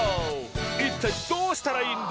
いったいどうしたらいいんだ？